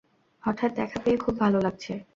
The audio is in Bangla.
হঠাৎ দেখা পেয়ে খুব ভালো লাগছে!